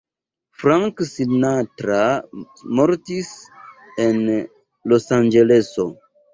Frank Sinatra mortis en Losanĝeleso.